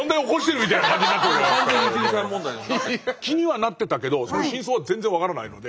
気にはなってたけどその真相は全然分からないので。